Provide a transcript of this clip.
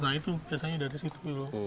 nah itu biasanya dari situ